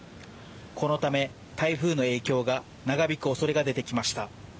このため、台風の影響が長引く恐れが出てきました。